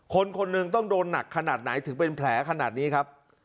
คนคนหนึ่งต้องโดนหนักขนาดไหนถึงเป็นแผลขนาดนี้ครับ